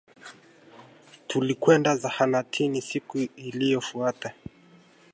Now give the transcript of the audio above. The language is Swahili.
Tulikwenda zahanatini siku iliyofuata